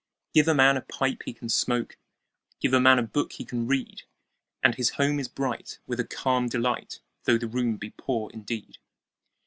Give a man a pipe he can smoke, 5 Give a man a book he can read: And his home is bright with a calm delight, Though the room be poor indeed.